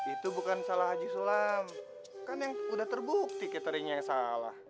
itu bukan salah haji sulam kan yang udah terbukti cateringnya yang salah